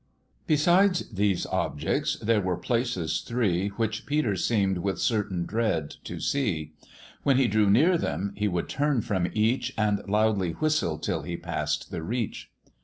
Besides these objects, there were places three, Which Peter seem'd with certain dread to see; When he drew near them he would turn from each, And loudly whistle till he pass'd the reach.